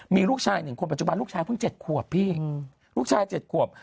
มีลูกชาย๑คนปัจจุบันลูกชายเพิ่ง๗ขวบพี่ลูกชาย๗ขวบ